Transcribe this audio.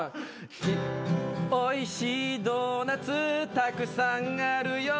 「おいしいドーナツたくさんあるよ」